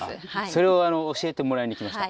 それを教えてもらいにきました。